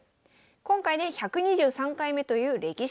今回で１２３回目という歴史のある大会。